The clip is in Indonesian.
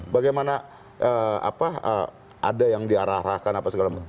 bagaimana ada yang diarah arahkan apa segala macam